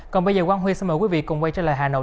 còn bây giờ quang huy xin mời quý vị cùng quay trở lại hà nội